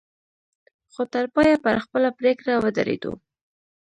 خو تر پايه پر خپله پرېکړه ودرېدو.